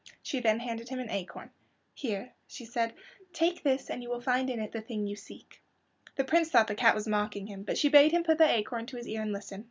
She then handed him an acorn. "Here," she said, "take this and you will find in it the thing you seek." The Prince thought the cat was mocking him, but she bade him put the acorn to his ear and listen.